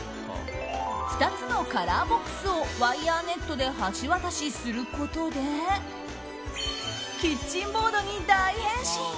２つのカラーボックスをワイヤーネットで橋渡しすることでキッチンボードに大変身。